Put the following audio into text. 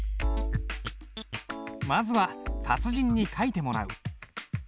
まずは達人に書いてもらう。